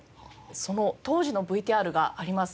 その当時のＶＴＲがあります。